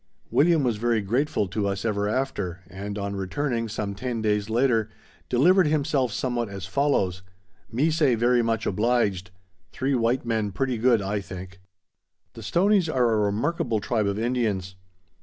William was very grateful to us ever after, and on returning, some ten days later, delivered himself somewhat as follows: "Me say very much obliged. Three white men pretty good, I think." The Stoneys are a remarkable tribe of Indians.